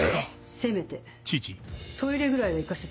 せめてトイレぐらいは行かせて。